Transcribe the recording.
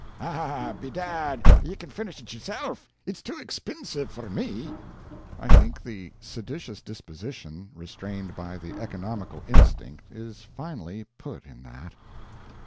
"Ah, bedad, ye can finish it yourself it's too expinsive for me!" I think the seditious disposition, restrained by the economical instinct, is finely put in that.